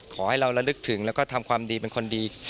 ขอให้เราระลึกถึงแล้วก็ทำความดีเป็นคนดี